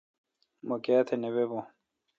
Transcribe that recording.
ما کاَتہ نہ بی بون